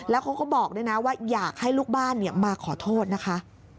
แล้วเขาก็บอกด้วยนะว่าอยากให้ลูกบ้านมาขอโทษนะคะ